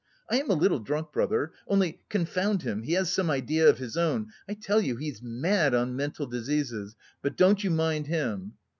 I am a little drunk, brother, only, confound him, he has some idea of his own... I tell you, he's mad on mental diseases. But don't you mind him..."